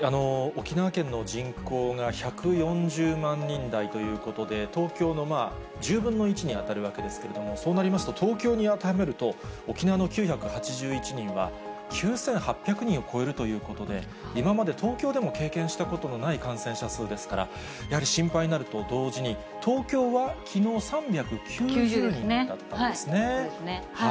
沖縄県の人口が１４０万人台ということで、東京の１０分の１に当たるわけですけれども、そうなりますと、東京に当てはめると、沖縄の９８１人は、９８００人を超えるということで、今まで東京でも経験したことのない感染者数ですから、やはり心配になると同時に、東京はきのう３９０人だったんですね。